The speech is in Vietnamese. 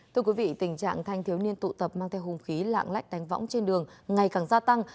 thưa quý vị tình trạng thanh thiếu niên tụ tập mang theo hùng khí lạng lách đánh võng trên đường ngày càng gia tăng